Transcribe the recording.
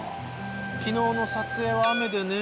昨日の撮影は雨でね